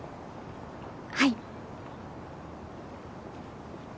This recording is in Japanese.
はい。